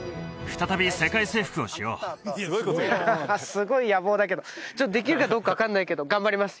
すごい野望だけどちょっとできるかどうか分からないけど頑張ります